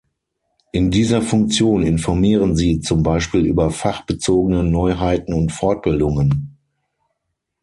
In dieser Funktion informieren sie zum Beispiel über fachbezogene Neuheiten und Fortbildungen.